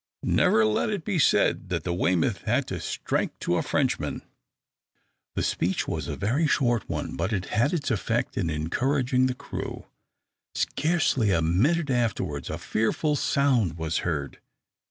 Never let it be said that the `Weymouth' had to strike to a Frenchman!" The speech was a very short one, but it had its effect in encouraging the crew. Scarcely a minute afterwards a fearful sound was heard.